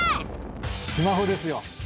スマホですよ。